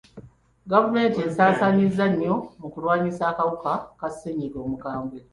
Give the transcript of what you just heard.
Gavumenti esaasaanyizza nnyo mu kulwanyisa akawuka ka ssenyiga omukambwe.